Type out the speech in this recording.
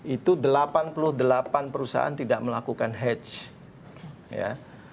itu delapan puluh delapan perusahaan tidak melakukan hetch ya